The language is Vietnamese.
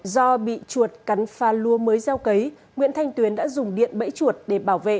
do bị chuột cắn pha lúa mới gieo cấy nguyễn thanh tuyến đã dùng điện bẫy chuột để bảo vệ